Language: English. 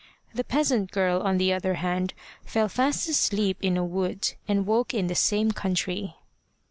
The peasant girl, on the other hand, fell fast asleep in a wood, and woke in the same country.